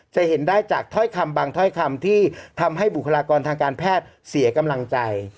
จะเห็นได้จากถ้อยคำบางถ้อยคำที่ทำให้บุคลากรทางการแพทย์เสียกำลังใจ